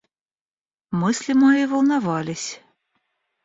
Мысли мои волновались.